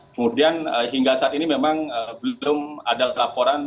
kemudian hingga saat ini memang belum ada laporan